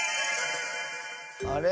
あれ？